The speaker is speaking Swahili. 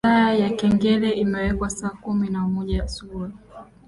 Saa ya kengele imewekwa saa kumi na moja asubuhi